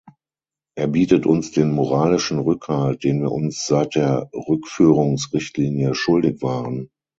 Er bietet uns den moralischen Rückhalt, den wir uns seit der Rückführungsrichtlinie schuldig waren.